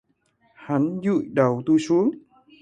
Hắn dụi đầu tui xuống